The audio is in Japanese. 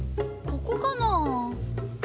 ここかなぁ？